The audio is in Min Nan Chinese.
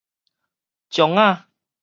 終仔